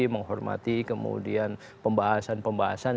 menghormati kemudian pembahasan pembahasan